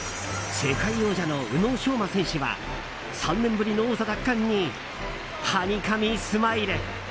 世界王者の宇野昌磨選手は３年ぶりの王座奪還にハニカミスマイル。